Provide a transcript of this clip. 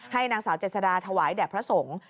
นางสาวเจษฎาถวายแด่พระสงฆ์